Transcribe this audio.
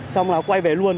xong là quay về luôn